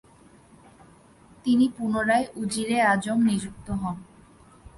তিনি পুনরায় উজিরে আজম নিযুক্ত হন।